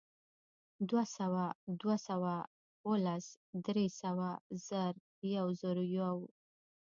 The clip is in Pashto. دوهسوه، دوه سوه او لس، درې سوه، زر، یوزرویو